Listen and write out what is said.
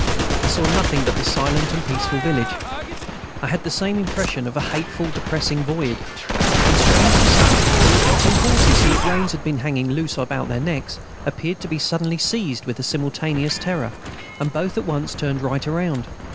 I saw nothing but the silent and peaceful village; I had the same impression of a hateful and depressing void. And, strange to say, our two horses, whose reins had been hanging loose on their necks, appeared to be suddenly seized with a simultaneous terror, and both at once turned right round.